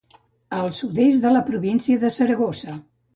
Al sud-est de la província de Saragossa.